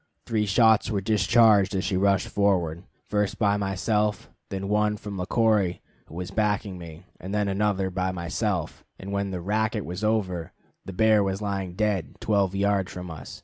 Three shots were discharged as she rushed forward, first by myself, then one from Le Corey, who was backing me, and then another by myself; and when the "racket" was over, the bear was lying dead twelve yards from us.